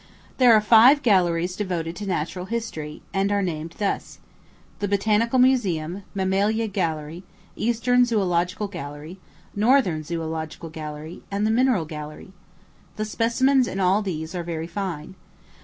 There are five galleries devoted to natural history, and are named thus: the Botanical Museum, Mammalia Gallery, Eastern Zoölogical Gallery, Northern Zoölogical Gallery, and the Mineral Gallery. The specimens in all these are very fine.